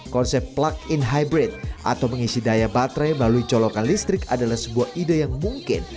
konsep plug in hybrid atau mengisi daya baterai melalui colokan listrik adalah sebuah ide yang mungkin